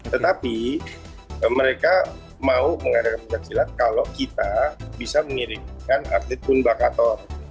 tetapi mereka mau mengarahkan pencaksilan kalau kita bisa mengirimkan atlet poon bakator